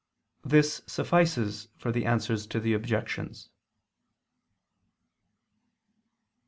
This suffices for the answers to the objections.